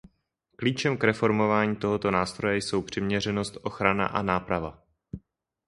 Klíčem k reformování tohoto nástroje jsou přiměřenost, ochrana a náprava.